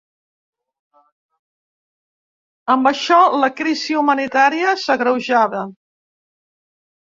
Amb això la crisi humanitària s’agreujava.